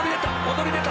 躍り出た！